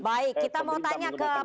baik kita mau tanya ke pak